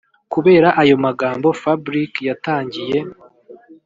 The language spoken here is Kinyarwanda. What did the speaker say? kubera ayo magambo fabric yatangiye